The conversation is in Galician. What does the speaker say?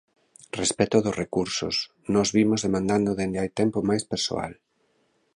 Respecto dos recursos, nós vimos demandando dende hai tempo máis persoal.